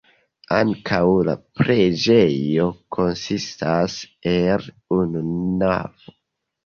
Ankaŭ la preĝejo konsistas el unu navo.